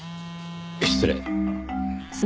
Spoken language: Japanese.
失礼。